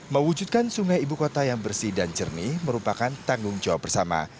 mewujudkan sungai ibu kota yang bersih dan jernih merupakan tanggung jawab bersama